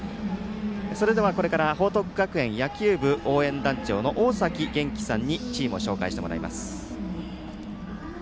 それからこれから報徳学園野球部応援団長の大崎元輝さんにチームを紹介してもらいます。